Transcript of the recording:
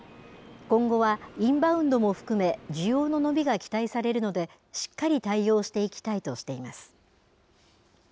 今後はインバウンドも含め、需要の伸びが期待されるので、しっかり対応していきたいとしています。